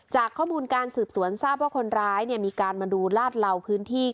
จากข้อมูลการสืบสวนทราบว่าคนร้ายมีการมาดูลาดเหล่าพื้นที่